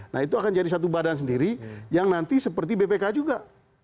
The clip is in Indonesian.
nah itu akan jadi satu badan sendiri yang nanti seperti bpk juga